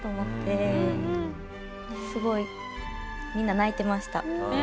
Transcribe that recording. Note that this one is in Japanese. すごいみんな泣いてました。